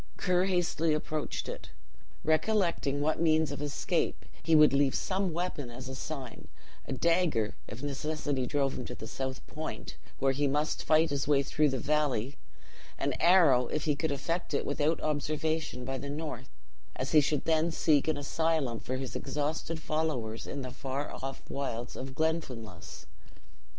Ker hastily approached it, recollecting what means of escape, he would leave some weapon as a sign; a dagger, if necessity drove him to the south point, where he must fight his way through the valley; an arrow, if he could effect it without observation, by the north, as he should then seek an asylum for his exhausted followers in the wilds of Glenfinlass.